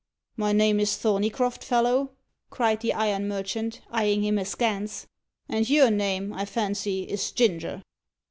"My name is Thorneycroft, fellow!" cried the iron merchant, eyeing him askance. "And your name, I fancy, is Ginger?"